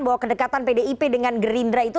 bahwa kedekatan pdip dengan gerindra itu